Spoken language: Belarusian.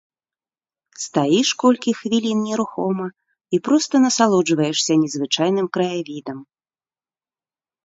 Стаіш колькі хвілін нерухома і проста насалоджваешся незвычайным краявідам.